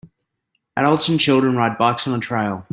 adults and children ride bikes on a trail.